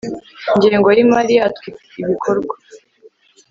ngengo y imari yatwo ibikorwa